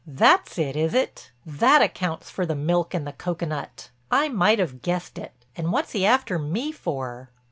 That's it, is it? That accounts for the milk in the cocoanut. I might have guessed it. And what's he after me for?"